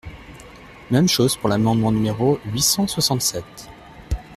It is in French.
Même chose pour l’amendement numéro huit cent soixante-sept.